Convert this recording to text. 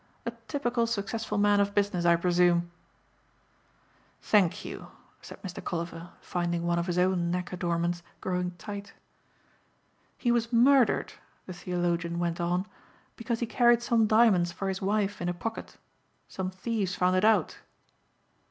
A typical successful man of business I presume." "Thank you," said Mr. Colliver finding one of his own neck adornments growing tight. "He was murdered," the theologian went on, "because he carried some diamonds for his wife in a pocket. Some thieves found it out."